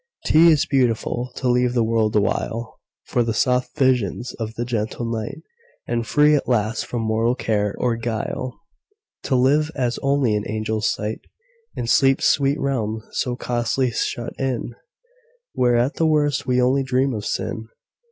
'T is beautiful to leave the world awhileFor the soft visions of the gentle night; And free, at last, from mortal care or guile, To live as only in the angels' sight, In sleep's sweet realm so cosily shut in, Where, at the worst, we only dream of sin!